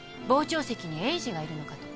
傍聴席に栄治がいるのかと。